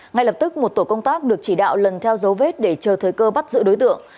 ngay lập tức một tổ công tác được chỉ đạo lần theo dấu vết để chờ thời cơ bắt giữ đối tượng